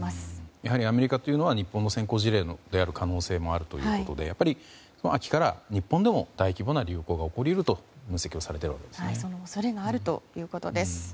やはりアメリカというのは日本の先行事例である可能性もあるということでやっぱり秋から日本でも大規模な流行が起こり得ると分析されているということですね。